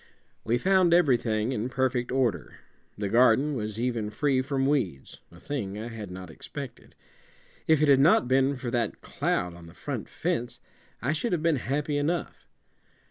We found everything in perfect order the garden was even free from weeds, a thing I had not expected. If it had not been for that cloud on the front fence, I should have been happy enough.